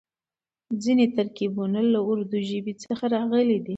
ځينې ترکيبونه له اردو ژبې څخه راغلي دي.